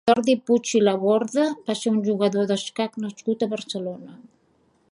Jordi Puig i Laborda va ser un jugador d'escacs nascut a Barcelona.